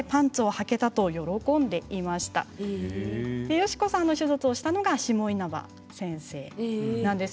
ヨシコさんの手術をしたのが下稲葉先生なんです。